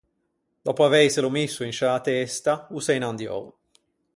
Dòppo aveiselo misso in sciâ testa, o s’é inandiou.